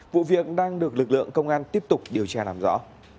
vụ việc đang được lực lượng công an tiếp tục điều tra làm rõ